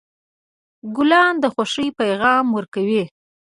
ګلان د خوښۍ پیغام ورکوي.